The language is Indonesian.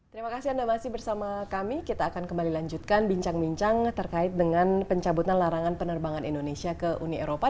terima kasih anda masih bersama kami kita akan kembali lanjutkan bincang bincang terkait dengan pencabutan larangan penerbangan indonesia ke uni eropa